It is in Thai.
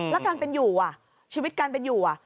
แล้วการเป็นอยู่ชีวิตการเป็นอยู่